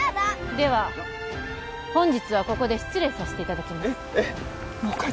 では本日はここで失礼させていただきますえっえっ